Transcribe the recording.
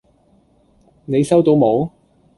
你收到冇？